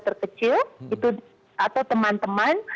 terkecil atau teman teman